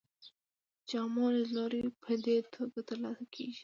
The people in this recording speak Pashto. جامع لیدلوری په دې توګه ترلاسه کیږي.